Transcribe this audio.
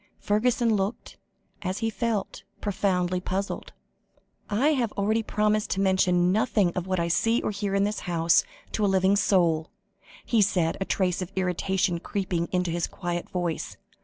Fergusson looked, as he felt, profoundly puzzled. "I have already promised to mention nothing of what I see or hear in this house to a living soul," he said, a trace of irritation creeping into his quiet voice.